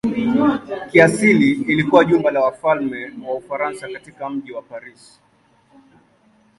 Kiasili ilikuwa jumba la wafalme wa Ufaransa katika mji wa Paris.